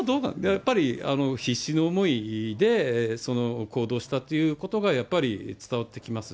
やっぱり、必死の思いで行動したということが、やっぱり伝わってきます。